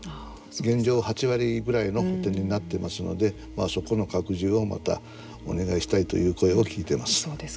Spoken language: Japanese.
現状、８割ぐらいの補てんになってますのでそこの拡充をまたお願いしたいという声を聞いてます。